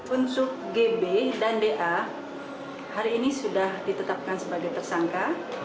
unsur gb dan da hari ini sudah ditetapkan sebagai tersangka